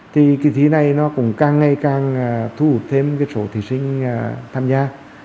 thì kỳ thi này nó cũng càng ngày càng thu hút thêm cái số thí sinh tham gia